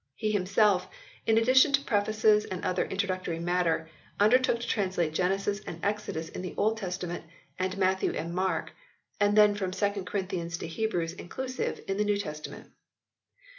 He himself, in addition to prefaces and other introductory matter, undertook to translate Genesis and Exodus in the Old Testament, and Matthew and Mark, then from 2 Corinthians to Hebrews inclusive, in the New Testament.